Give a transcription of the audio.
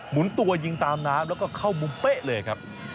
หนตัวยิงตามน้ำแล้วก็เข้ามุมเป๊ะเลยครับ